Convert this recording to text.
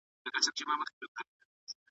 یوه ورځ په ښکار یوازي وم وتلی `